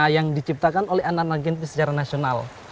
yang diciptakan oleh anak anak genting secara nasional